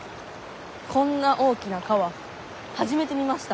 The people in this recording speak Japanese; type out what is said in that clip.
こんな大きな川初めて見ました。